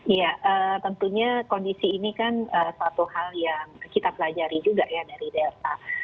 ya tentunya kondisi ini kan suatu hal yang kita pelajari juga ya dari delta